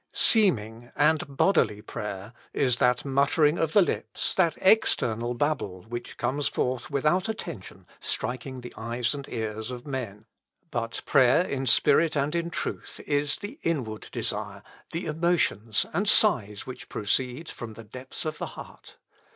"Seeming and bodily prayer is that muttering of the lips, that external babble, which comes forth without attention, striking the eyes and ears of men; but prayer in spirit and in truth is the inward desire, the emotions, and sighs which proceed from the depths of the heart.